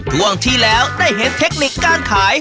ช่วงที่แล้วได้เห็นเทคนิคการขาย